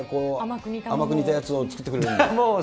甘く煮たやつを作ってくれるんだ。